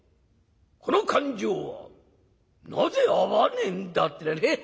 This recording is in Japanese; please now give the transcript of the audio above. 『この勘定はなぜ合わねえんだ』ってなね